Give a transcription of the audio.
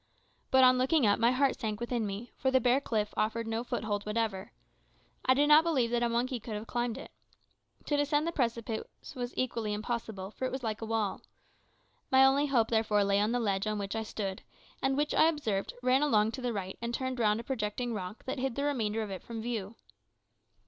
But on looking up my heart sank within me, for the bare cliff offered no foothold whatever. I do not believe that a monkey could have climbed it. To descend the precipice was equally impossible, for it was like a wall. My only hope, therefore, lay in the ledge on which I stood, and which, I observed, ran along to the right and turned round a projecting rock that hid the remainder of it from view.